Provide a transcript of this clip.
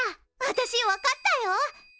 私分かったよ！